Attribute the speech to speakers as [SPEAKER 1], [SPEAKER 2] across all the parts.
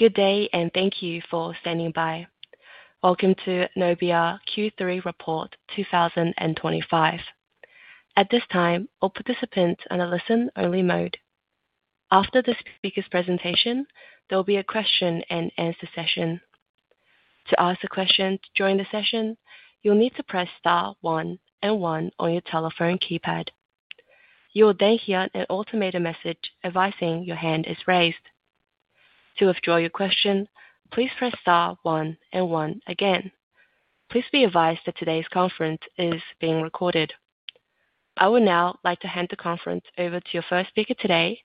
[SPEAKER 1] Good day, and thank you for standing by. Welcome to Nobia Q3 Report 2025. At this time, all participants are in a listen-only mode. After the speaker's presentation, there will be a question-and-answer session. To ask a question to join the session, you'll need to press Star 1 and 1 on your telephone keypad. You will then hear an automated message advising your hand is raised. To withdraw your question, please press Star 1 and 1 again. Please be advised that today's conference is being recorded. I would now like to hand the conference over to your first speaker today,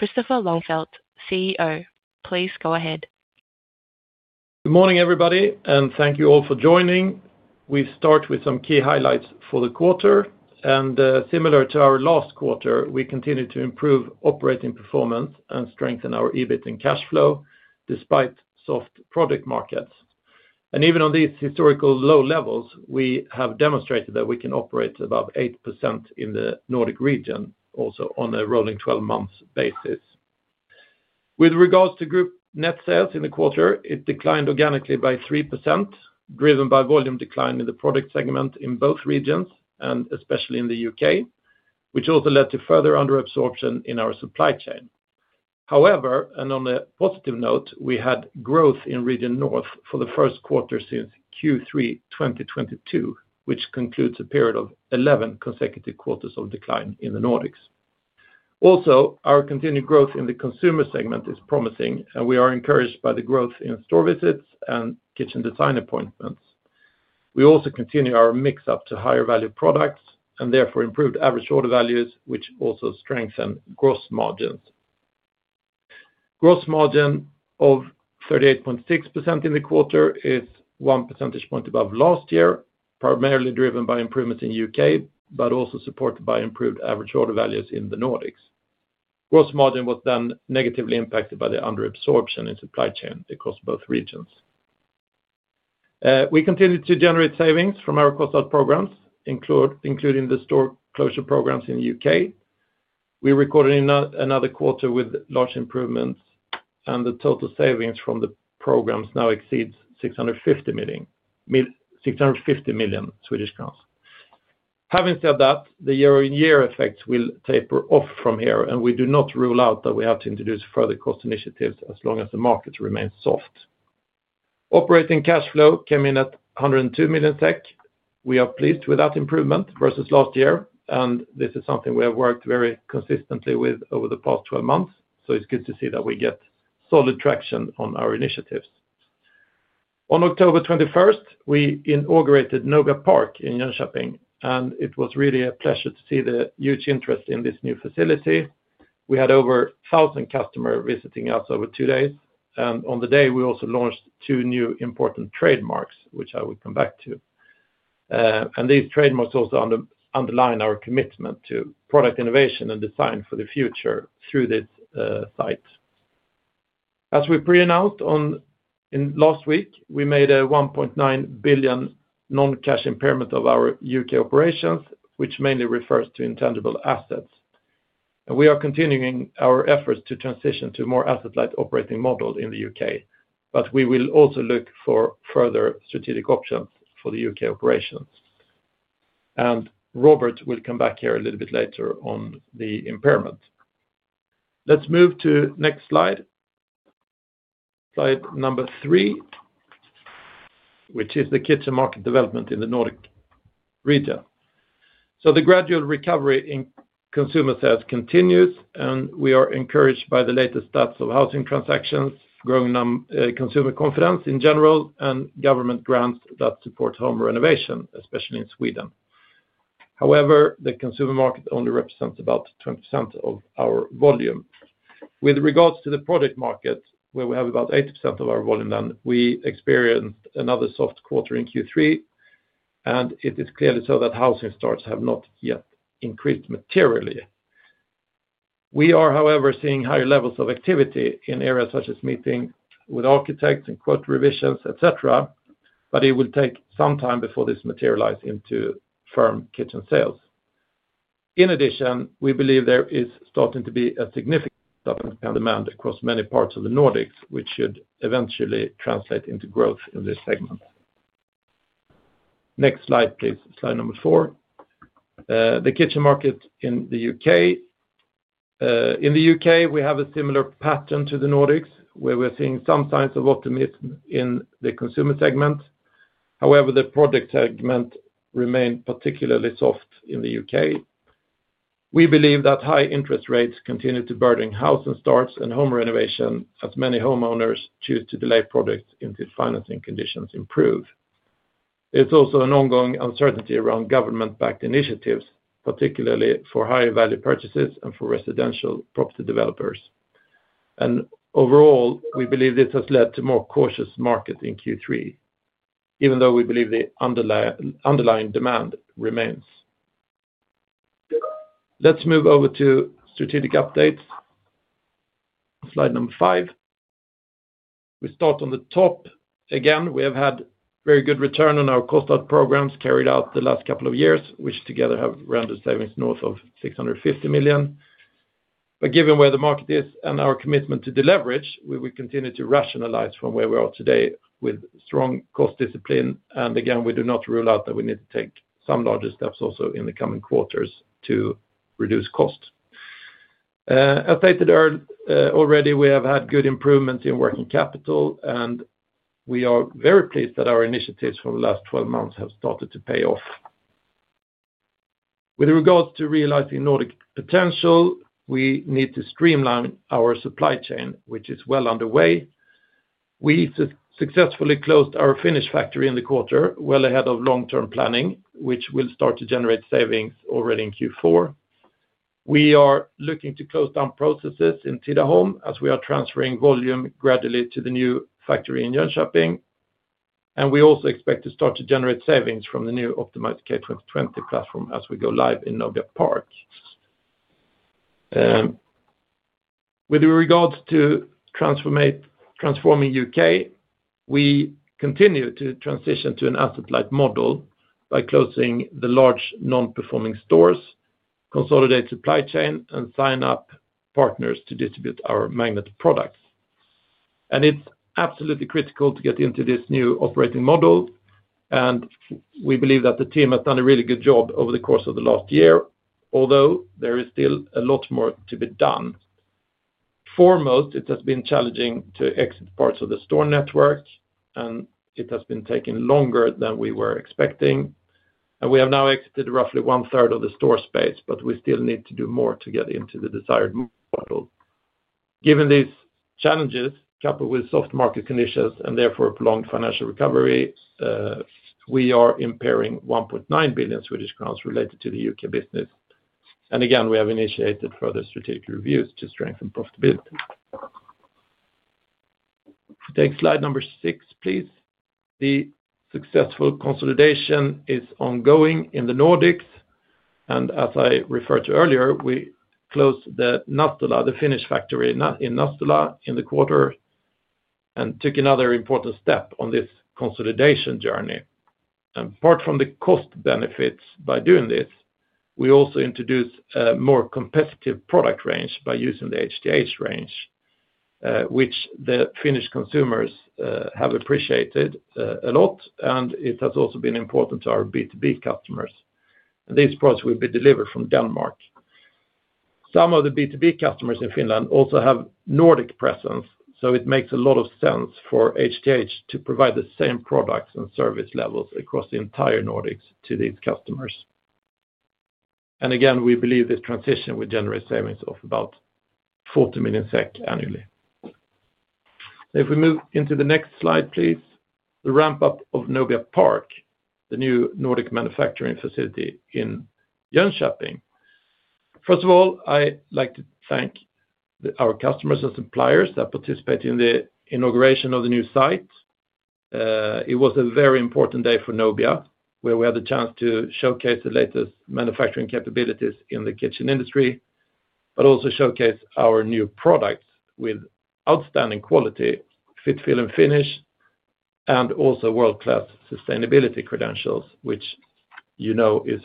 [SPEAKER 1] Kristoffer Ljungfelt, CEO. Please go ahead.
[SPEAKER 2] Good morning, everybody, and thank you all for joining. We start with some key highlights for the quarter, and similar to our last quarter, we continue to improve operating performance and strengthen our EBIT and cash flow despite soft product markets. Even on these historical low levels, we have demonstrated that we can operate above 8% in the Nordic region, also on a rolling 12-month basis. With regards to group net sales in the quarter, it declined organically by 3%, driven by volume decline in the product segment in both regions, and especially in the U.K., which also led to further underabsorption in our supply chain. However, on a positive note, we had growth in Region North for the first quarter since Q3 2022, which concludes a period of 11 consecutive quarters of decline in the Nordics. Also, our continued growth in the consumer segment is promising, and we are encouraged by the growth in store visits and kitchen design appointments. We also continue our mix-up to higher value products and therefore improved average order values, which also strengthen gross margins. Gross margin of 38.6% in the quarter is one percentage point above last year, primarily driven by improvements in the U.K., but also supported by improved average order values in the Nordics. Gross margin was then negatively impacted by the underabsorption in supply chain across both regions. We continue to generate savings from our cost-out programs, including the store closure programs in the U.K. We recorded another quarter with large improvements, and the total savings from the programs now exceeds 650 million. Having said that, the year-on-year effects will taper off from here, and we do not rule out that we have to introduce further cost initiatives as long as the market remains soft. Operating cash flow came in at 102 million. We are pleased with that improvement versus last year, and this is something we have worked very consistently with over the past 12 months, so it's good to see that we get solid traction on our initiatives. On October 21, we inaugurated Noga Park in Jönköping, and it was really a pleasure to see the huge interest in this new facility. We had over 1,000 customers visiting us over two days, and on the day, we also launched two new important trademarks, which I will come back to. These trademarks also underline our commitment to product innovation and design for the future through this site. As we pre-announced last week, we made a 1.9 billion non-cash impairment of our U.K. operations, which mainly refers to intangible assets. We are continuing our efforts to transition to a more asset-light operating model in the U.K., but we will also look for further strategic options for the U.K. operations. Robert will come back here a little bit later on the impairment. Let's move to the next slide. Slide number three, which is the kitchen market development in the Nordic region. The gradual recovery in consumer sales continues, and we are encouraged by the latest stats of housing transactions, growing consumer confidence in general, and government grants that support home renovation, especially in Sweden. However, the consumer market only represents about 20% of our volume. With regards to the product market, where we have about 80% of our volume, we experienced another soft quarter in Q3. It is clearly so that housing starts have not yet increased materially. We are, however, seeing higher levels of activity in areas such as meetings with architects and quote revisions, etc., but it will take some time before this materializes into firm kitchen sales. In addition, we believe there is starting to be a significant demand across many parts of the Nordics, which should eventually translate into growth in this segment. Next slide, please. Slide number four. The kitchen market in the U.K. In the U.K., we have a similar pattern to the Nordics, where we're seeing some signs of optimism in the consumer segment. However, the product segment remains particularly soft in the U.K. We believe that high interest rates continue to burden housing starts and home renovation, as many homeowners choose to delay products until financing conditions improve. There is also an ongoing uncertainty around government-backed initiatives, particularly for higher value purchases and for residential property developers. Overall, we believe this has led to a more cautious market in Q3, even though we believe the underlying demand remains. Let's move over to strategic updates. Slide number five. We start on the top. Again, we have had very good return on our cost-out programs carried out the last couple of years, which together have rendered savings north of 650 million. Given where the market is and our commitment to deleverage, we will continue to rationalize from where we are today with strong cost discipline. Again, we do not rule out that we need to take some larger steps also in the coming quarters to reduce cost. As stated earlier, already, we have had good improvements in working capital, and we are very pleased that our initiatives from the last 12 months have started to pay off. With regards to realizing Nordic potential, we need to streamline our supply chain, which is well underway. We successfully closed our Finnish factory in the quarter, well ahead of long-term planning, which will start to generate savings already in Q4. We are looking to close down processes in Tidaholm as we are transferring volume gradually to the new factory in Jönköping. We also expect to start to generate savings from the new optimized K2020 platform as we go live in Noga Park. With regards to transforming U.K., we continue to transition to an asset-light model by closing the large non-performing stores, consolidating supply chain, and signing up partners to distribute our magnetic products. It is absolutely critical to get into this new operating model, and we believe that the team has done a really good job over the course of the last year, although there is still a lot more to be done. Foremost, it has been challenging to exit parts of the store network, and it has been taking longer than we were expecting. We have now exited roughly one-third of the store space, but we still need to do more to get into the desired model. Given these challenges, coupled with soft market conditions and therefore a prolonged financial recovery, we are impairing 1.9 billion Swedish crowns related to the U.K. business. Again, we have initiated further strategic reviews to strengthen profitability. Take slide number six, please. The successful consolidation is ongoing in the Nordics. As I referred to earlier, we closed the Finnish factory in Nastola in the quarter and took another important step on this consolidation journey. Apart from the cost benefits by doing this, we also introduced a more competitive product range by using the HDH range, which the Finnish consumers have appreciated a lot, and it has also been important to our B2B customers. These products will be delivered from Denmark. Some of the B2B customers in Finland also have Nordic presence, so it makes a lot of sense for HDH to provide the same products and service levels across the entire Nordics to these customers. We believe this transition will generate savings of about 40 million SEK annually. If we move into the next slide, please, the ramp-up of Noga Park, the new Nordic manufacturing facility in Jönköping. First of all, I'd like to thank our customers and suppliers that participated in the inauguration of the new site. It was a very important day for Nobia, where we had the chance to showcase the latest manufacturing capabilities in the kitchen industry, but also showcase our new products with outstanding quality, fit, feel, and finish, and also world-class sustainability credentials, which you know is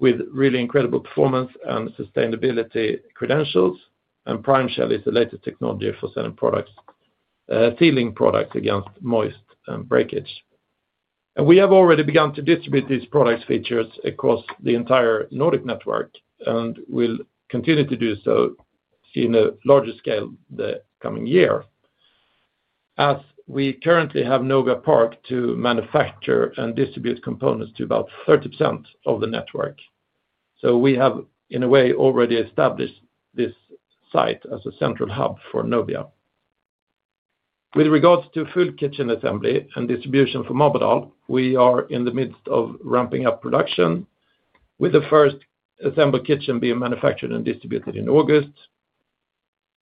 [SPEAKER 2] with really incredible performance and sustainability credentials. Prime Shell is the latest technology for sealing products against moist and breakage. We have already begun to distribute these product features across the entire Nordic network and will continue to do so on a larger scale the coming year. As we currently have Noga Park to manufacture and distribute components to about 30% of the network, we have, in a way, already established this site as a central hub for Nobia. With regards to full kitchen assembly and distribution for Marbodal, we are in the midst of ramping up production, with the first assembled kitchen being manufactured and distributed in August.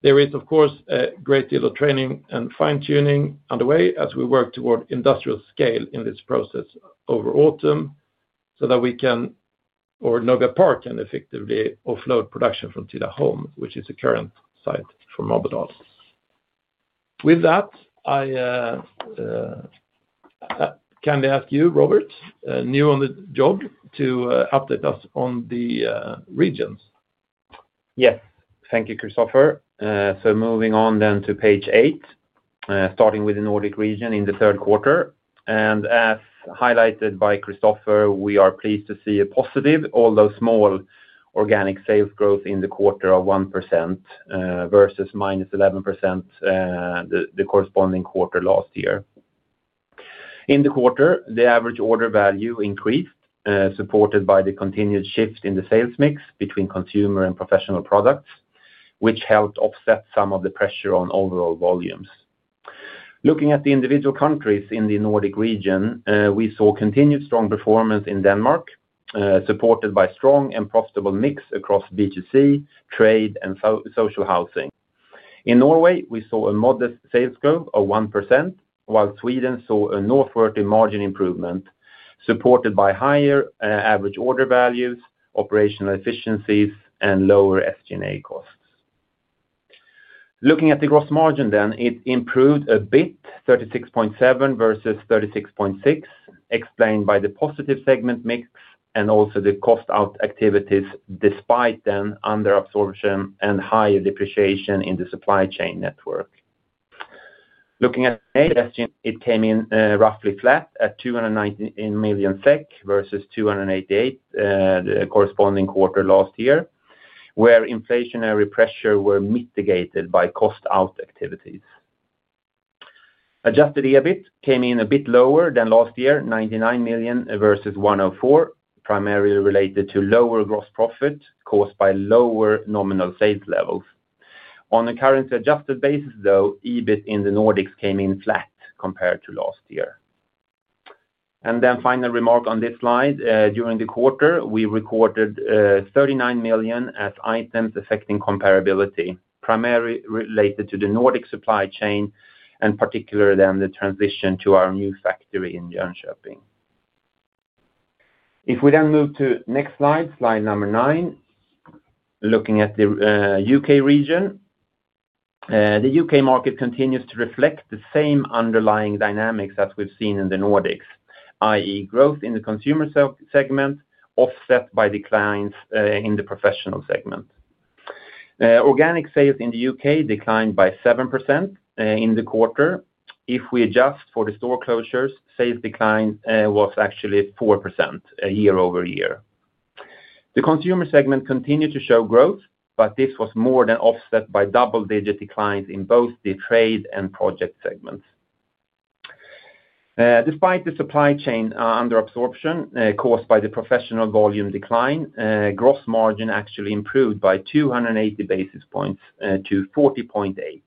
[SPEAKER 2] There is, of course, a great deal of training and fine-tuning underway as we work toward industrial scale in this process over autumn so that we can. Noga Park can effectively offload production from Tidaholm, which is the current site for Marbodal. With that, I kindly ask you, Robert, new on the job, to update us on the regions.
[SPEAKER 3] Yes. Thank you, Kristoffer. Moving on then to page eight, starting with the Nordic region in the third quarter. As highlighted by Kristoffer, we are pleased to see a positive, although small, organic sales growth in the quarter of 1% versus -11% the corresponding quarter last year. In the quarter, the average order value increased, supported by the continued shift in the sales mix between consumer and professional products, which helped offset some of the pressure on overall volumes. Looking at the individual countries in the Nordic region, we saw continued strong performance in Denmark, supported by a strong and profitable mix across B2C, trade, and social housing. In Norway, we saw a modest sales growth of 1%, while Sweden saw a northward margin improvement, supported by higher average order values, operational efficiencies, and lower SG&A costs. Looking at the gross margin then, it improved a bit, 36.7% versus 36.6%, explained by the positive segment mix and also the cost-out activities despite underabsorption and higher depreciation in the supply chain network. Looking at the SG&A, it came in roughly flat at 219 million SEK versus 288 million the corresponding quarter last year, where inflationary pressures were mitigated by cost-out activities. Adjusted EBIT came in a bit lower than last year, 99 million versus 104 million, primarily related to lower gross profit caused by lower nominal sales levels. On a current adjusted basis, though, EBIT in the Nordics came in flat compared to last year. A final remark on this slide, during the quarter, we recorded 39 million as items affecting comparability, primarily related to the Nordic supply chain and particularly the transition to our new factory in Jönköping. If we then move to the next slide, slide number nine, looking at the U.K. region. The U.K. market continues to reflect the same underlying dynamics as we have seen in the Nordics, i.e., growth in the consumer segment offset by declines in the professional segment. Organic sales in the U.K. declined by 7% in the quarter. If we adjust for the store closures, sales decline was actually 4% year over year. The consumer segment continued to show growth, but this was more than offset by double-digit declines in both the trade and project segments. Despite the supply chain underabsorption caused by the professional volume decline, gross margin actually improved by 280 basis points to 40.8%.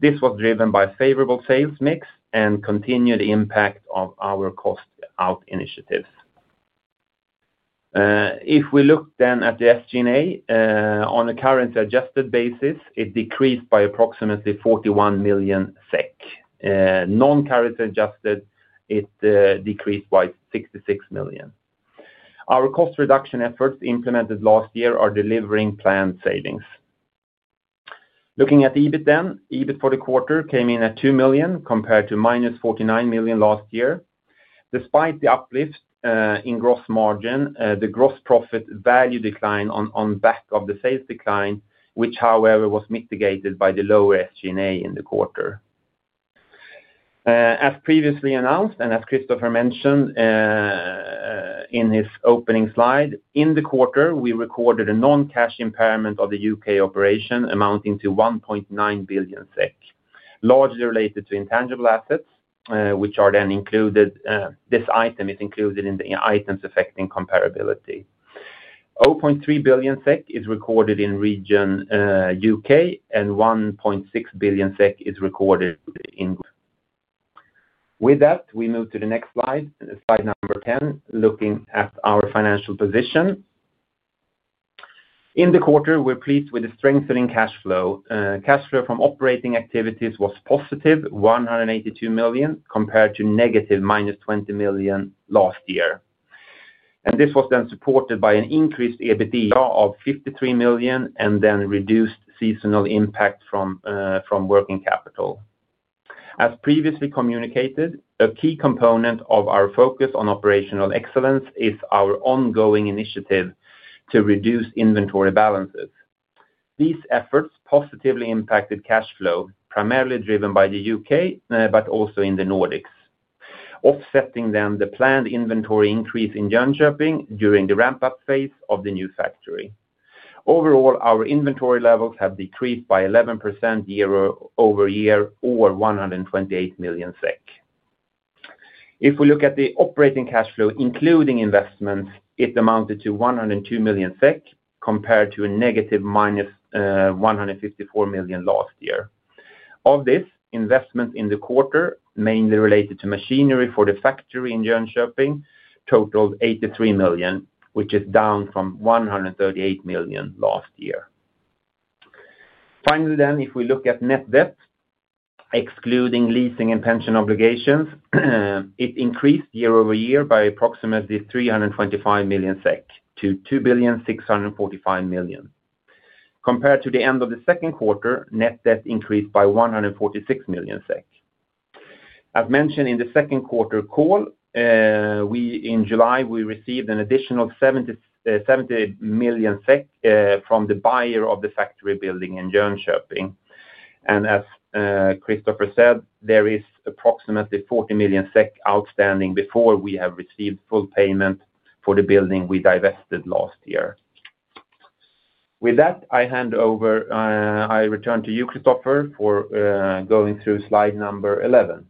[SPEAKER 3] This was driven by a favorable sales mix and continued impact of our cost-out initiatives. If we look then at the SG&A, on a current adjusted basis, it decreased by approximately 41 million SEK. Non-currently adjusted, it decreased by 66 million. Our cost reduction efforts implemented last year are delivering planned savings. Looking at EBIT then, EBIT for the quarter came in at 2 million compared to -49 million last year. Despite the uplift in gross margin, the gross profit value declined on the back of the sales decline, which, however, was mitigated by the lower SG&A in the quarter. As previously announced and as Kristoffer mentioned in his opening slide, in the quarter, we recorded a non-cash impairment of the U.K. operation amounting to 1.9 billion SEK, largely related to intangible assets, which are then included. This item is included in the items affecting comparability. 0.3 billion SEK is recorded in region U.K., and 1.6 billion SEK is recorded in. With that, we move to the next slide, slide number 10, looking at our financial position. In the quarter, we're pleased with the strengthening cash flow. Cash flow from operating activities was positive, 182 million, compared to negative 20 million last year. This was then supported by an increased EBITDA of 53 million and then reduced seasonal impact from working capital. As previously communicated, a key component of our focus on operational excellence is our ongoing initiative to reduce inventory balances. These efforts positively impacted cash flow, primarily driven by the U.K., but also in the Nordics, offsetting the planned inventory increase in Jönköping during the ramp-up phase of the new factory. Overall, our inventory levels have decreased by 11% year over year or 128 million SEK. If we look at the operating cash flow, including investments, it amounted to 102 million SEK compared to negative 154 million last year. Of this, investments in the quarter, mainly related to machinery for the factory in Jönköping, totaled 83 million, which is down from 138 million last year. Finally, if we look at net debt, excluding leasing and pension obligations, it increased year over year by approximately 325 million SEK to 2,645 million. Compared to the end of the second quarter, net debt increased by 146 million SEK. As mentioned in the second quarter call, in July, we received an additional 70 million SEK from the buyer of the factory building in Jönköping. As Kristoffer said, there is approximately 40 million SEK outstanding before we have received full payment for the building we divested last year. With that, I hand over. I return to you, Kristoffer, for going through slide number 11.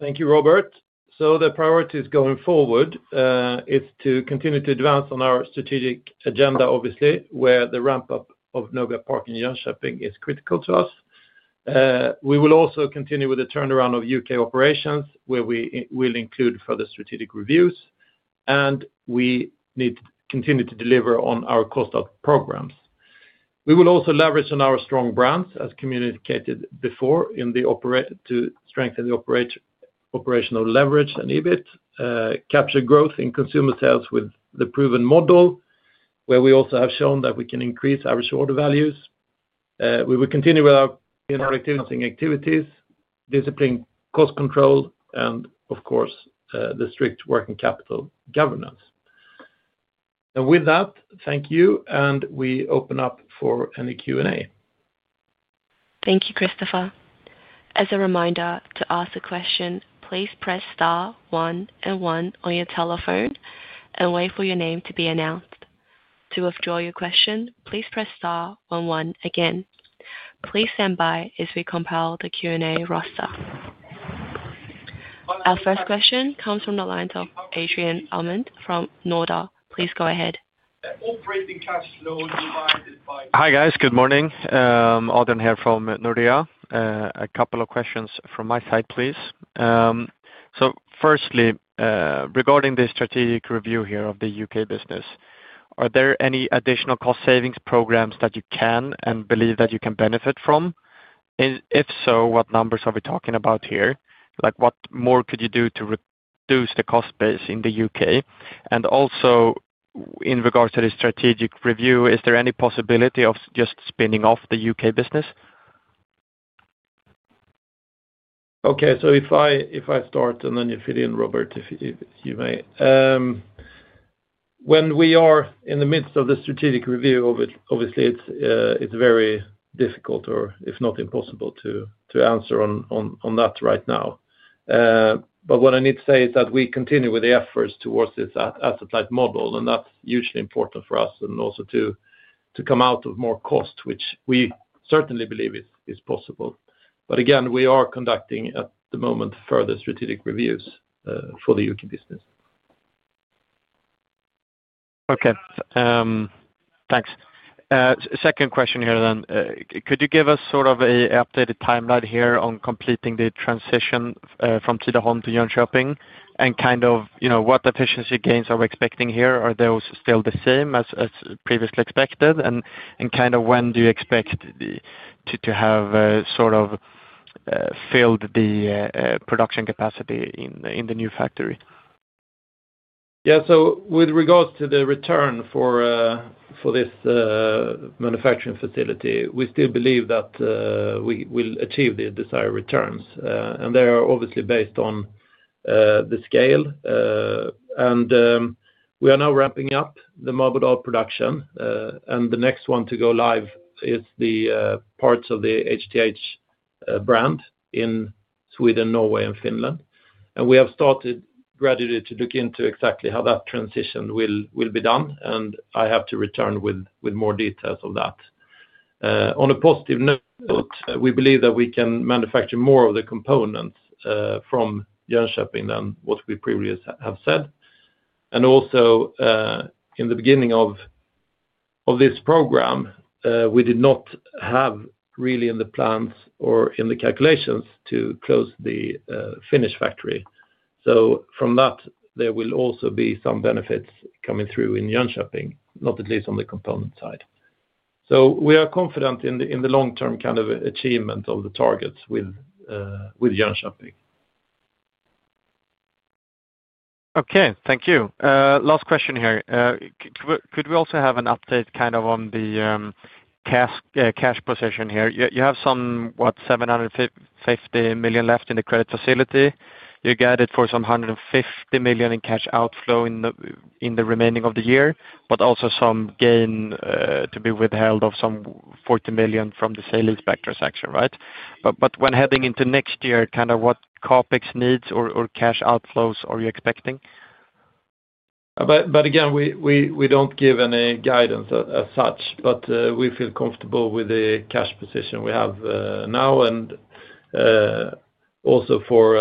[SPEAKER 2] Thank you, Robert. The priorities going forward are to continue to advance on our strategic agenda, obviously, where the ramp-up of Noga Park in Jönköping is critical to us. We will also continue with the turnaround of U.K. operations, where we will include further strategic reviews. We need to continue to deliver on our cost-out programs. We will also leverage on our strong brands, as communicated before, to strengthen the operational leverage and EBIT, capture growth in consumer sales with the proven model, where we also have shown that we can increase average order values. We will continue with our finance and activities, discipline, cost control, and of course, the strict working capital governance. With that, thank you, and we open up for any Q&A.
[SPEAKER 1] Thank you, Kristoffer. As a reminder, to ask a question, please press star one and one on your telephone and wait for your name to be announced. To withdraw your question, please press star one and one again. Please stand by as we compile the Q&A roster. Our first question comes from the line of Adrian Almond from Nordea. Please go ahead.
[SPEAKER 4] Hi guys, good morning. Adrian here from Nordea. A couple of questions from my side, please. Firstly, regarding the strategic review here of the U.K. business, are there any additional cost savings programs that you can and believe that you can benefit from? If so, what numbers are we talking about here? What more could you do to reduce the cost base in the U.K.? Also, in regards to the strategic review, is there any possibility of just spinning off the U.K. business?
[SPEAKER 2] Okay, so if I start and then you fill in, Robert, if you may. When we are in the midst of the strategic review, obviously, it's very difficult, or if not impossible, to answer on that right now. What I need to say is that we continue with the efforts towards this asset-light model, and that's hugely important for us and also to come out of more cost, which we certainly believe is possible. Again, we are conducting at the moment further strategic reviews for the U.K. business.
[SPEAKER 5] Okay. Thanks. Second question here then. Could you give us sort of an updated timeline here on completing the transition from Tidaholm to Jönköping and kind of what efficiency gains are we expecting here? Are those still the same as previously expected? Kind of when do you expect to have sort of filled the production capacity in the new factory?
[SPEAKER 2] Yeah, so with regards to the return for this manufacturing facility, we still believe that we will achieve the desired returns. They are obviously based on the scale. We are now wrapping up the Marbodal production. The next one to go live is the parts of the HTH brand in Sweden, Norway, and Finland. We have started gradually to look into exactly how that transition will be done. I have to return with more details of that. On a positive note, we believe that we can manufacture more of the components from Jönköping than what we previously have said. Also, in the beginning of this program, we did not have really in the plans or in the calculations to close the Finnish factory. From that, there will also be some benefits coming through in Jönköping, not at least on the component side. We are confident in the long-term kind of achievement of the targets with Jönköping.
[SPEAKER 3] Okay, thank you. Last question here. Could we also have an update kind of on the cash position here? You have some, what, 750 million left in the credit facility. You're guided for some 150 million in cash outflow in the remaining of the year, but also some gain to be withheld of some 40 million from the sale inspector section, right? When heading into next year, kind of what CapEx needs or cash outflows are you expecting?
[SPEAKER 2] Again, we do not give any guidance as such, but we feel comfortable with the cash position we have now. Also, for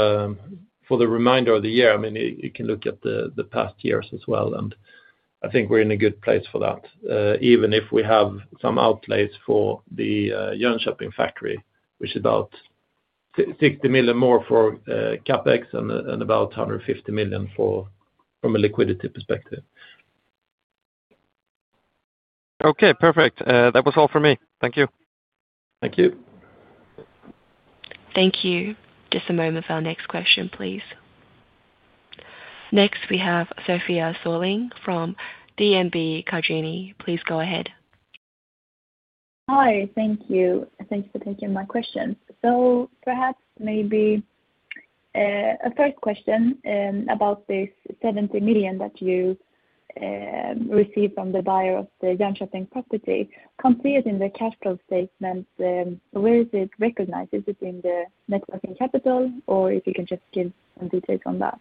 [SPEAKER 2] the remainder of the year, I mean, you can look at the past years as well. I think we are in a good place for that, even if we have some outlays for the Jönköping factory, which is about 60 million more for CapEx and about 150 million from a liquidity perspective.
[SPEAKER 3] Okay, perfect. That was all for me. Thank you.
[SPEAKER 2] Thank you.
[SPEAKER 1] Thank you. Just a moment for our next question, please. Next, we have Sofia Soling from DNB. Please go ahead.
[SPEAKER 6] Hi, thank you. Thanks for taking my question. Perhaps maybe a first question about this 70 million that you received from the buyer of the Jönköping property. Complete in the capital statement, where is it recognized? Is it in the net working capital, or if you can just give some details on that?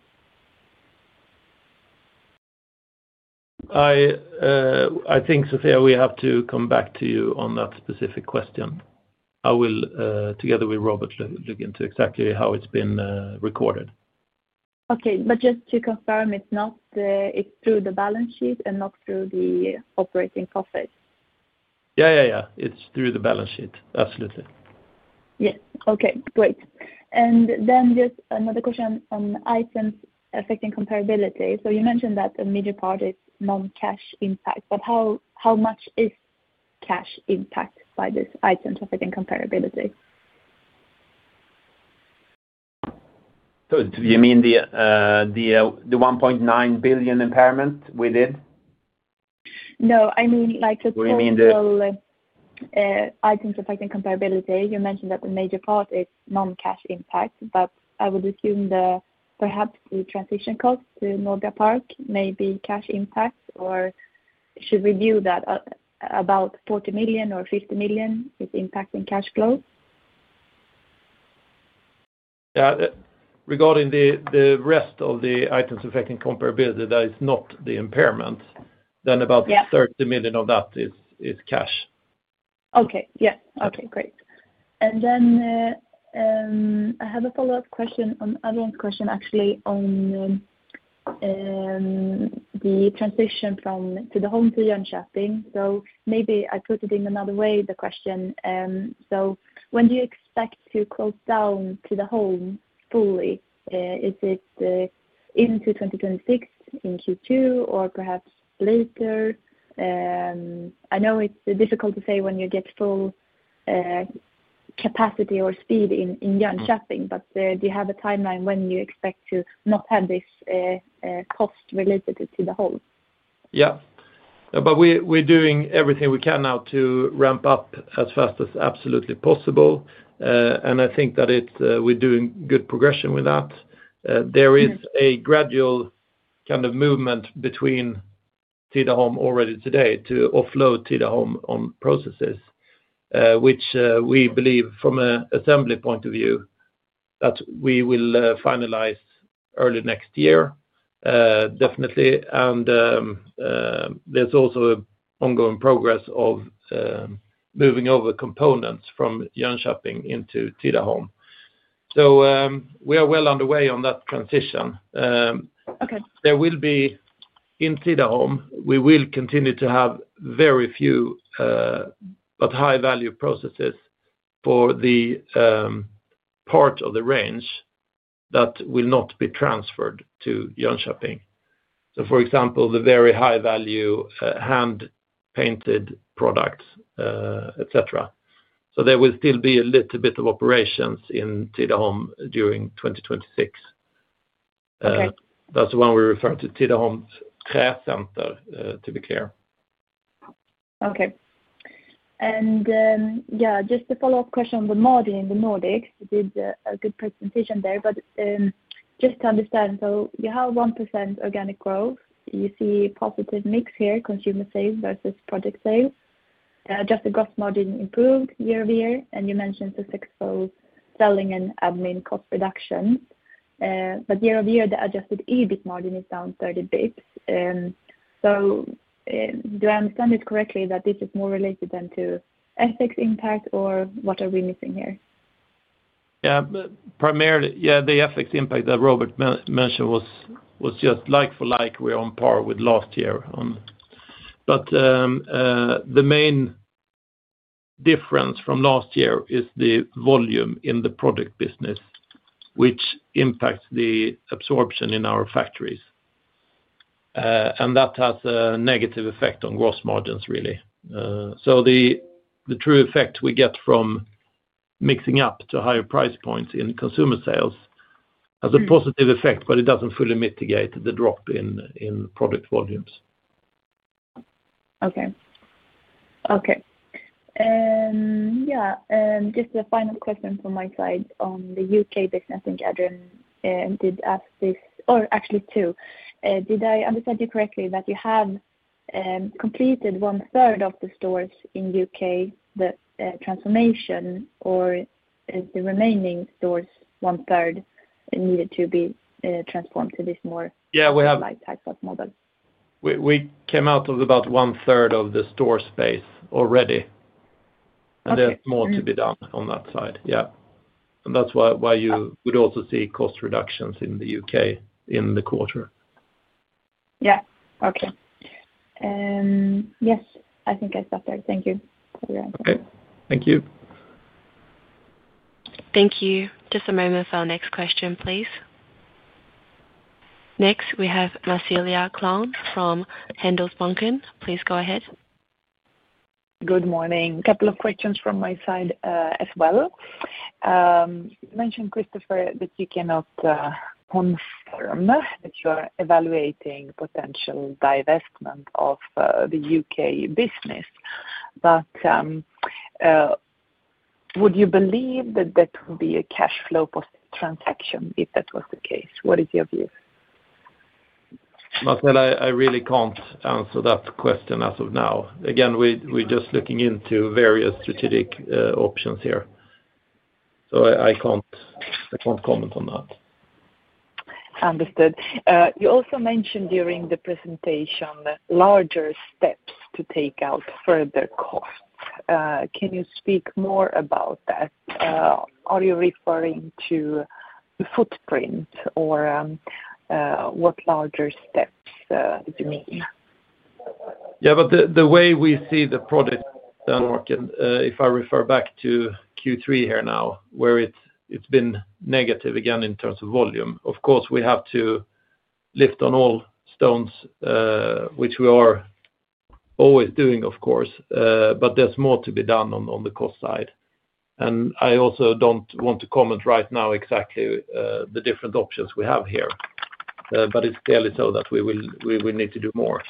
[SPEAKER 2] I think, Sofia, we have to come back to you on that specific question. I will, together with Robert, look into exactly how it's been recorded.
[SPEAKER 6] Okay, but just to confirm, it's through the balance sheet and not through the operating profit?
[SPEAKER 2] Yeah, yeah. It's through the balance sheet. Absolutely.
[SPEAKER 6] Yes. Okay, great. Just another question on items affecting comparability. You mentioned that a major part is non-cash impact, but how much is cash impact by this item affecting comparability?
[SPEAKER 7] You mean the 1.9 billion impairment we did?
[SPEAKER 6] No, I mean like the total.
[SPEAKER 7] You mean the.
[SPEAKER 6] Items affecting comparability. You mentioned that the major part is non-cash impact, but I would assume that perhaps the transition cost to Noga Park may be cash impact, or should we view that about 40 million or 50 million is impacting cash flow?
[SPEAKER 2] Yeah, regarding the rest of the items affecting comparability that is not the impairment, then about 30 million of that is cash.
[SPEAKER 6] Okay, yes. Okay, great. I have a follow-up question on Adrian's question, actually, on the transition from Tidaholm to Jönköping. Maybe I put it in another way, the question. When do you expect to close down Tidaholm fully? Is it into 2026 in Q2 or perhaps later? I know it's difficult to say when you get full capacity or speed in Jönköping, but do you have a timeline when you expect to not have this cost related to Tidaholm?
[SPEAKER 2] Yeah, but we're doing everything we can now to ramp up as fast as absolutely possible. I think that we're doing good progression with that. There is a gradual kind of movement between Tidaholm already today to offload Tidaholm on processes, which we believe from an assembly point of view that we will finalize early next year, definitely. There's also an ongoing progress of moving over components from Jönköping into Tidaholm. We are well underway on that transition. There will be, in Tidaholm, we will continue to have very few but high-value processes for the part of the range that will not be transferred to Jönköping. For example, the very high-value hand-painted products, etc. There will still be a little bit of operations in Tidaholm during 2026. That's the one we refer to, Tidaholm Träcenter, to be clear.
[SPEAKER 6] Okay. Yeah, just a follow-up question on the margin in the Nordics. You did a good presentation there, but just to understand, you have 1% organic growth. You see positive mix here, consumer sales versus project sales. Adjusted gross margin improved year over year, and you mentioned successful selling and admin cost reductions. Year over year, the adjusted EBIT margin is down 30 basis points. Do I understand it correctly that this is more related then to FX impact, or what are we missing here?
[SPEAKER 2] Yeah, primarily, yeah, the EBIT impact that Robert mentioned was just like for like. We're on par with last year. The main difference from last year is the volume in the product business, which impacts the absorption in our factories, and that has a negative effect on gross margins, really. The true effect we get from mixing up to higher price points in consumer sales has a positive effect, but it doesn't fully mitigate the drop in product volumes.
[SPEAKER 6] Okay. Okay. Yeah, just a final question from my side on the U.K. business, I think Adrian did ask this, or actually two. Did I understand you correctly that you have completed one-third of the stores in U.K., the transformation, or the remaining stores, one-third needed to be transformed to this more light type of model?
[SPEAKER 2] Yeah, we came out of about one-third of the store space already. There is more to be done on that side. Yeah. That is why you would also see cost reductions in the U.K. in the quarter.
[SPEAKER 6] Yeah. Okay. Yes, I think I stopped there. Thank you for your answer.
[SPEAKER 2] Okay. Thank you.
[SPEAKER 1] Thank you. Just a moment for our next question, please. Next, we have Marcelia Klaun from Handelsbanken. Please go ahead.
[SPEAKER 8] Good morning. A couple of questions from my side as well. You mentioned, Kristoffer, that you cannot confirm that you are evaluating potential divestment of the U.K. business. Would you believe that that would be a cash flow transaction if that was the case? What is your view?
[SPEAKER 2] Marcela, I really can't answer that question as of now. Again, we're just looking into various strategic options here. So I can't comment on that.
[SPEAKER 8] Understood. You also mentioned during the presentation larger steps to take out further costs. Can you speak more about that? Are you referring to the footprint or what larger steps you mean?
[SPEAKER 2] Yeah, but the way we see the product market, if I refer back to Q3 here now, where it's been negative again in terms of volume. Of course, we have to lift on all stones, which we are always doing, of course, but there's more to be done on the cost side. I also don't want to comment right now exactly the different options we have here, but it's clearly so that we will need to do more.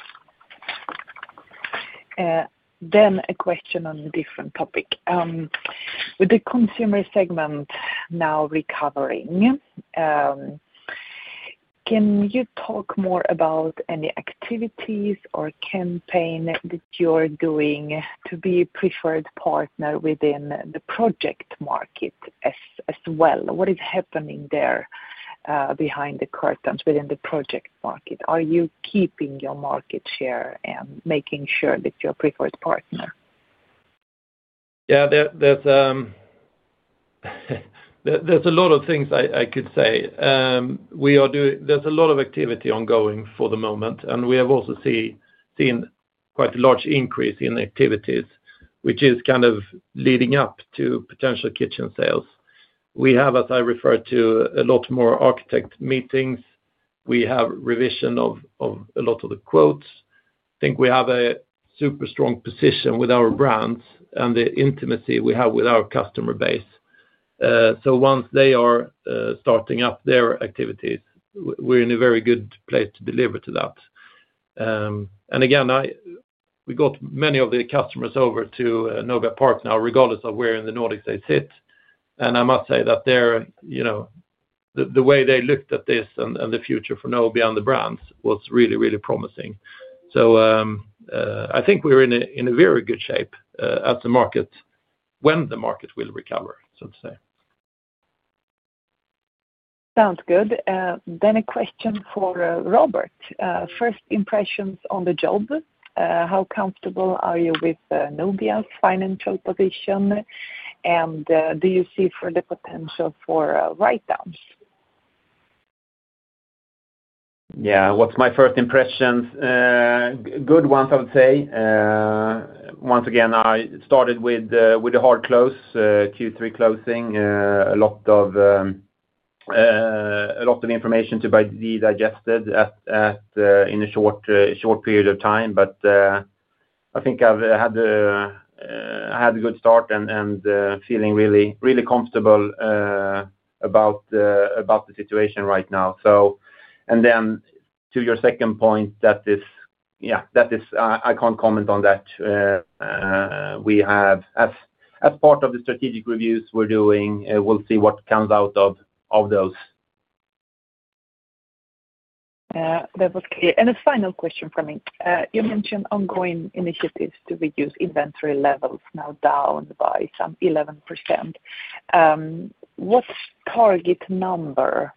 [SPEAKER 8] A question on a different topic. With the consumer segment now recovering, can you talk more about any activities or campaign that you're doing to be a preferred partner within the project market as well? What is happening there behind the curtains, within the project market? Are you keeping your market share and making sure that you're a preferred partner?
[SPEAKER 2] Yeah, there's a lot of things I could say. There's a lot of activity ongoing for the moment, and we have also seen quite a large increase in activities, which is kind of leading up to potential kitchen sales. We have, as I referred to, a lot more architect meetings. We have revision of a lot of the quotes. I think we have a super strong position with our brands and the intimacy we have with our customer base. Once they are starting up their activities, we're in a very good place to deliver to that. Again, we got many of the customers over to Noga Park now, regardless of where in the Nordics they sit. I must say that the way they looked at this and the future for Noga and the brands was really, really promising. I think we're in a very good shape as the market, when the market will recover, so to say.
[SPEAKER 8] Sounds good. A question for Robert. First impressions on the job? How comfortable are you with Nobia's financial position? Do you see further potential for write-downs?
[SPEAKER 3] Yeah, what's my first impression? Good ones, I would say. Once again, I started with a hard close, Q3 closing. A lot of information to be digested in a short period of time, but I think I've had a good start and feeling really comfortable about the situation right now. To your second point, that is, yeah, I can't comment on that. We have, as part of the strategic reviews we're doing, we'll see what comes out of those.
[SPEAKER 8] Yeah, that was clear. A final question for me. You mentioned ongoing initiatives to reduce inventory levels now down by some 11%. What target number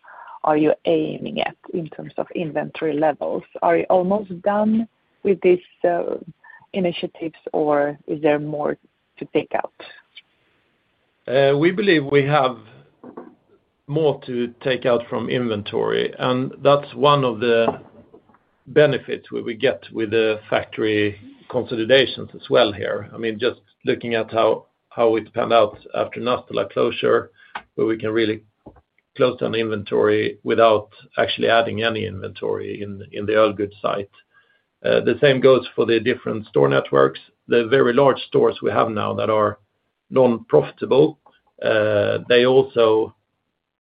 [SPEAKER 8] are you aiming at in terms of inventory levels? Are you almost done with this initiative, or is there more to take out?
[SPEAKER 2] We believe we have more to take out from inventory. That is one of the benefits we get with the factory consolidations as well here. I mean, just looking at how it panned out after Nastola closure, where we can really close down inventory without actually adding any inventory in the Jönköping site. The same goes for the different store networks. The very large stores we have now that are non-profitable, they also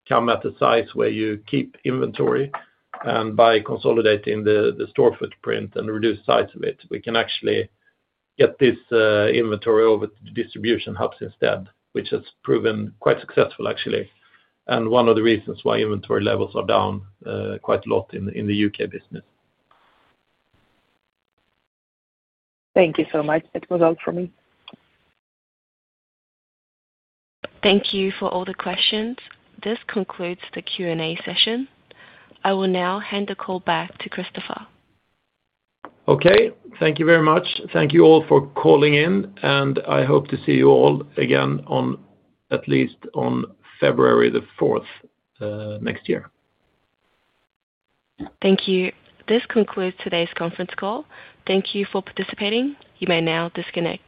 [SPEAKER 2] come at a size where you keep inventory. By consolidating the store footprint and reduced size of it, we can actually get this inventory over to the distribution hubs instead, which has proven quite successful, actually. That is one of the reasons why inventory levels are down quite a lot in the U.K. business.
[SPEAKER 8] Thank you so much. That was all for me.
[SPEAKER 1] Thank you for all the questions. This concludes the Q&A session. I will now hand the call back to Kristoffer.
[SPEAKER 2] Okay, thank you very much. Thank you all for calling in, and I hope to see you all again at least on February the 4th next year.
[SPEAKER 1] Thank you. This concludes today's conference call. Thank you for participating. You may now disconnect.